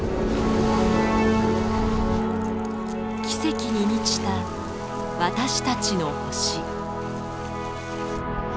奇跡に満ちた私たちの星。